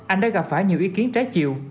anh đã gặp phải nhiều ý kiến trái chiều